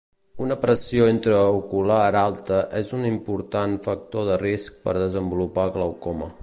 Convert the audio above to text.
Una pressió intraocular alta és un important factor de risc per a desenvolupar glaucoma.